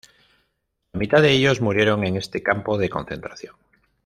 La mitad de ellos murieron en este campo de concentración.